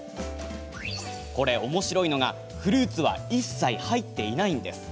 これ、おもしろいのがフルーツは一切、入っていないんです。